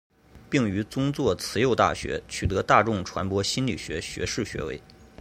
并于宗座慈幼大学取得大众传播心理学学士学位。